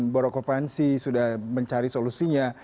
borokopansi sudah mencari solusinya